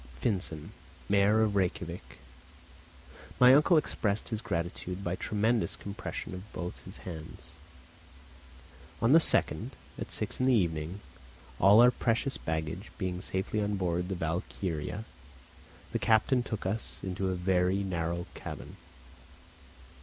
Finsen, mayor of Rejkiavik. My uncle expressed his gratitude by tremendous compressions of both his hands. On the 2nd, at six in the evening, all our precious baggage being safely on board the Valkyria, the captain took us into a very narrow cabin.